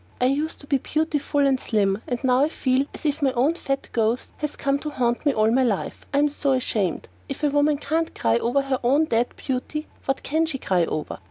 I used to be beautiful and slim, and now I feel as if my own fat ghost has come to haunt me all my life. I am so ashamed! If a woman can't cry over her own dead beauty, what can she cry over?"